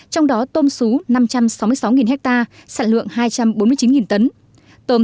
trong đó tôm xú năm trăm sáu mươi sáu ha sản lượng hai trăm bốn mươi chín tấn